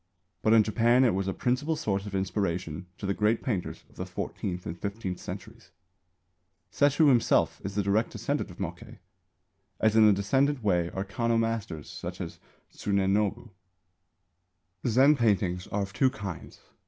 But in Japan it was a principal source of inspiration to the great painters of the fourteenth and fifteenth centuries. Sesshū himself is the direct descendant of Mokkei; as in a decadent way are Kanō masters such as Tsunenobu. Zen paintings are of two kinds.